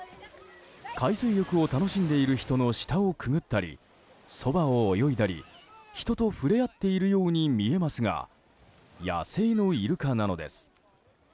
海水浴を楽しんでいる人の下をくぐったり、そばを泳いだり人とふれ合っているように見えますが野生のイルカなのです。